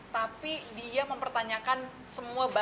tapi dia mempertanyakan semua buku buku